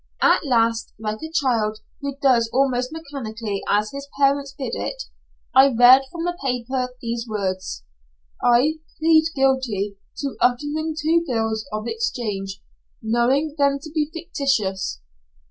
At last, like a child who does almost mechanically as his parents bid it, I read from a paper these words: "I plead guilty to uttering two bills of exchange, knowing them to be fictitious."